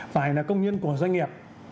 phải là công nhân của doanh nghiệp